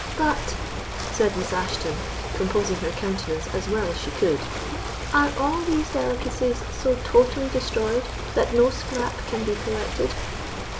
"But," said Miss Ashton, composing her countenance as well as she could, "are all these delicacies so totally destroyed that no scrap can be collected?"